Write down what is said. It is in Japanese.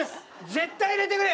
絶対入れてくれよ！